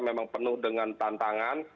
memang penuh dengan tantangan